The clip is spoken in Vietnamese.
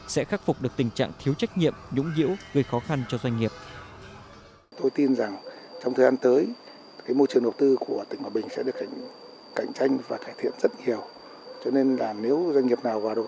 sẽ khắc phục được tình trạng thiếu trách nhiệm nhũng nhiễu gây khó khăn cho doanh nghiệp